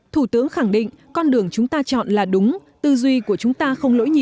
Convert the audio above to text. thủ tướng khẳng định con đường chúng ta chọn là đúng tư duy của chúng ta không lỗi gì